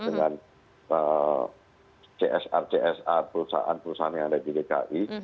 dengan csr csa perusahaan perusahaan yang ada di dki